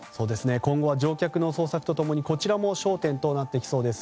今後は乗客の捜索と共にこちらも焦点となってきそうです。